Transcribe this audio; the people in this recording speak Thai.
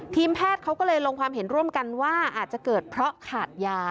แพทย์เขาก็เลยลงความเห็นร่วมกันว่าอาจจะเกิดเพราะขาดยา